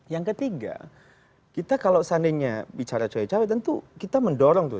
yang ketiga kita kalau seandainya bicara cowok cowok tentu kita mendorong tuh